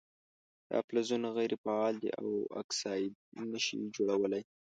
دا فلزونه غیر فعال دي او اکساید نه شي جوړولی.